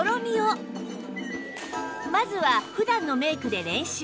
まずは普段のメイクで練習